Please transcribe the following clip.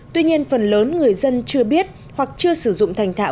tuy nhiên phần lớn người dân chưa biết hoặc chưa sử dụng thành thạo